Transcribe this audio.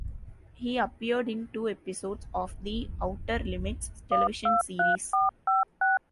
He appeared in two episodes of "The Outer Limits" television series.